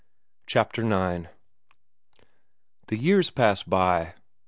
Chapter IX The years pass by.